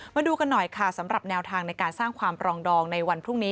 มาดูกันหน่อยค่ะสำหรับแนวทางในการสร้างความปรองดองในวันพรุ่งนี้